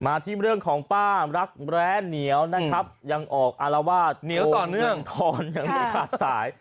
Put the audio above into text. มาที่เรื่องของป้ารักแร้เหนียวนะครับยังออกอาราวาสหยังทอนหยังถูกขาดสาย